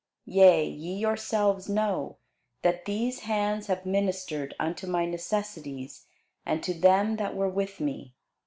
Yea, ye yourselves know, that these hands have ministered unto my necessities, and to them that were with me.